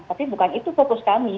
tapi bukan itu fokus kami